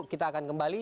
kita akan kembali